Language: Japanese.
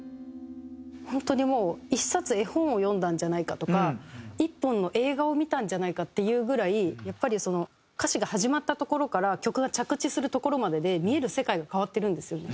本当に１冊絵本を読んだんじゃないかとか１本の映画を見たんじゃないかっていうぐらいやっぱり歌詞が始まったところから曲が着地するところまでで見える世界が変わってるんですよね。